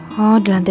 ah kita sekarang nih